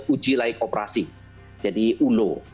uji layak operasi jadi ulo